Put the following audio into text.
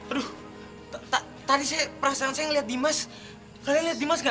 aduh tadi perasaan saya yang liat nadimas kalian liat nadimas gak